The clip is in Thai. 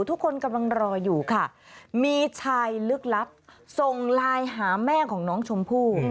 ทุกคนกำลังรออยู่ค่ะมีชายลึกลับส่งไลน์หาแม่ของน้องชมพู่